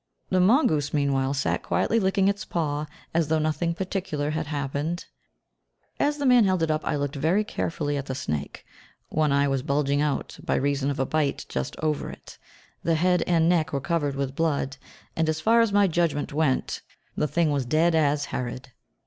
The mongoose meanwhile sat quietly licking its paw as though nothing particular had happened. As the man held it up I looked very carefully at the snake; one eye was bulging out, by reason of a bite just over it; the head and neck were covered with blood, and as far as my judgment went, the thing was dead as Herod.